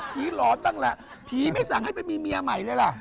ผีหลอนบ้างผีไม่นามให้มีเมียใหม่เลยล่ะ